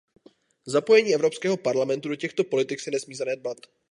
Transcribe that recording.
Zapojení Evropského parlamentu do těchto politik se nesmí zanedbat.